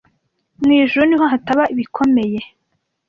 mu ijuru niho hataba ibikomeye